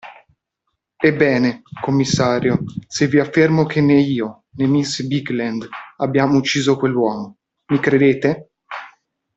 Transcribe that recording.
Ebbene, commissario, se vi affermo che né io, né miss Bigland abbiamo ucciso quell'uomo, mi credete?